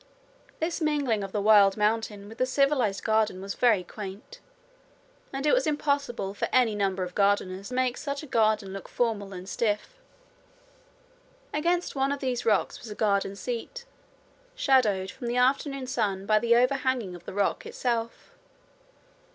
This mingling of the wild mountain with the civilized garden was very quaint, and it was impossible for any number of gardeners to make such a garden look formal and stiff. Against one of these rocks was a garden seat, shadowed from the afternoon sun by the overhanging of the rock itself.